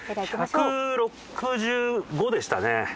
１６５でしたね。